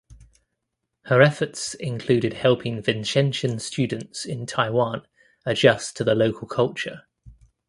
Her efforts included helping Vincentian students in Taiwan adjust to the local culture.